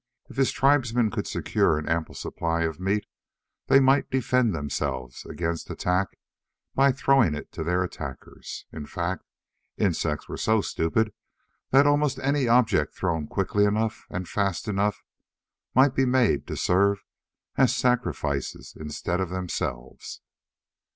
If his tribesmen could secure an ample supply of meat, they might defend themselves against attack by throwing it to their attackers. In fact, insects were so stupid that almost any object thrown quickly enough and fast enough, might be made to serve as sacrifices instead of themselves.